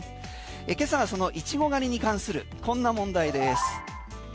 今朝はそのイチゴ狩りに関するこんな問題です。